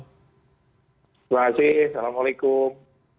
terima kasih assalamu alaikum